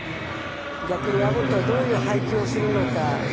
逆にアボットはどういう配球をするのか。